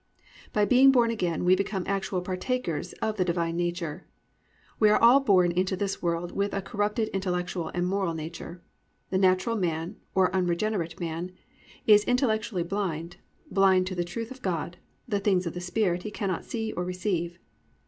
By being born again we become actual partakers of the Divine nature. We are all born into this world with a corrupted intellectual and moral nature. The natural man, or unregenerate man, is intellectually blind, blind to the truth of God, "the things of the Spirit" he cannot see or receive.